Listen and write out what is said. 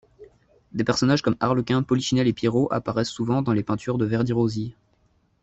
Des personnages comme Arlequin, Polichinelle et Pierrot apparaissent souvent dans les peintures de Verdirosi.